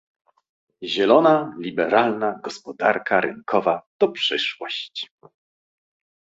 Zielona, liberalna gospodarka rynkowa to przyszłość